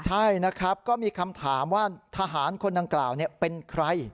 ใช่นะครับก็มีคำถามว่าทหารคนดังกล่าวเป็นใคร